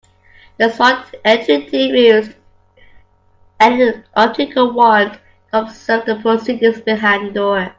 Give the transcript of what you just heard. The S.W.A.T. entry team used an optical wand to observe the proceedings behind the door.